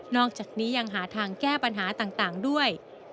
อกจากนี้ยังหาทางแก้ปัญหาต่างด้วย